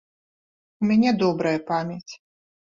У мяне добрая памяць.